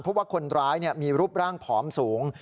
เพราะว่าคนร้ายมีรูปร่างผอมสูง